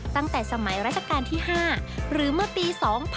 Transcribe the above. ตั้งแต่สมัยราชการที่๕หรือเมื่อปี๒๕๖๒